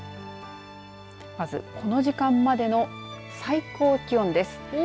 まずこの時間までの最高気温です。